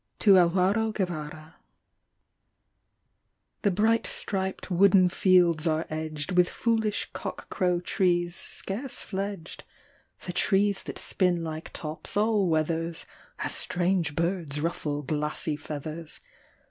To Alvaro Guevara. THE bright striped wooden fields are edged With foolish cock crow trees scarce fledged — The trees that spin like tops, all weathers, (As strange birds ruffle glassy feathers).